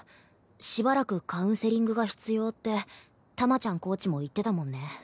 しばらくカウンセリングが必要ってタマちゃんコーチも言ってたもんね。